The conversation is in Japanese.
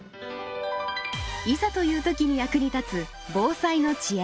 いざという時に役に立つ防災の知恵。